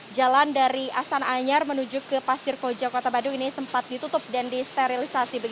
jalan dari astana anyar menuju ke pasir koja kota bandung ini sempat ditutup dan disterilisasi